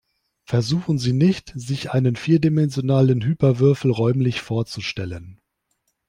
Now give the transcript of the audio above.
Versuchen Sie nicht, sich einen vierdimensionalen Hyperwürfel räumlich vorzustellen.